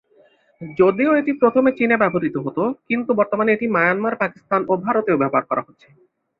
যদিও এটি প্রথমে চীনে ব্যবহৃত হতো, কিন্তু বর্তমানে এটি মায়ানমার পাকিস্তান ও ভারতেও ব্যবহার করা হচ্ছে।